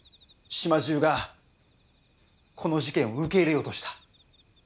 島中がこの事件を受け入れようとした。